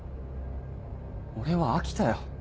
俺は飽きたよ